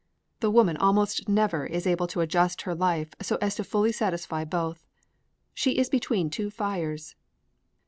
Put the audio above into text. The woman almost never is able to adjust her life so as fully to satisfy both. She is between two fires.